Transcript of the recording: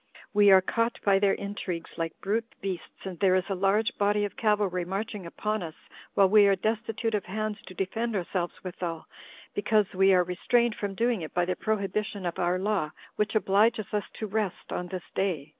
We are caught by their intrigues like brute beasts, and there is a large body of cavalry marching upon us, while we are destitute of hands to defend ourselves withal, because we are restrained from doing it by the prohibition of our law, which obliges us to rest [on this day]."